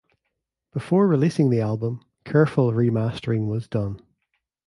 Before releasing the album, careful remastering was done.